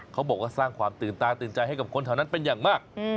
เขาบอกว่าสร้างความตื่นตาตื่นใจให้กับคนแถวนั้นเป็นอย่างมาก